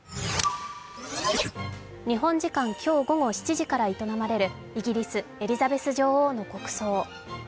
日本時間今日午後７時から営まれるイギリス・エリザベス女王の国葬。